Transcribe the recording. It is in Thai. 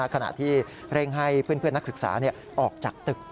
ขณะที่เร่งให้เพื่อนนักศึกษาออกจากตึก